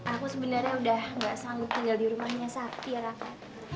aku sebenarnya udah gak selalu tinggal di rumahnya sapi raka